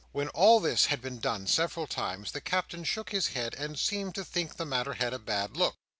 When all this had been done several times, the Captain shook his head and seemed to think the matter had a bad look.